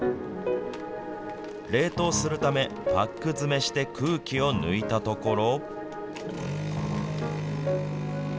冷凍するため、パック詰めして空気を抜いたところ。